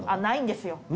ないんですよ。